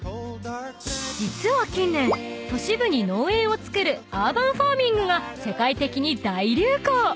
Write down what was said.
［実は近年都市部に農園を造るアーバンファーミングが世界的に大流行］